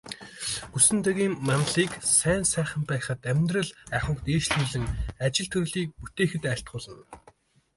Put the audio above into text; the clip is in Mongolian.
Гүсэнтүгийн мандлыг сайн сайхан байхад, амьдрал ахуйг дээшлүүлэн, ажил төрлийг бүтээхэд айлтгуулна.